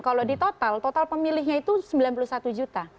kalau di total total pemilihnya itu sembilan puluh satu juta